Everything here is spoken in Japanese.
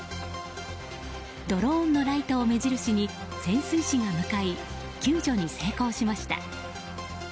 ドローンのライトを目印に潜水士が向かい救助に成功しました。